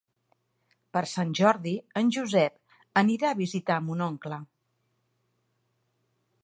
Per Sant Jordi en Josep anirà a visitar mon oncle.